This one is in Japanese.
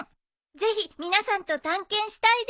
ぜひ皆さんと探検したいです。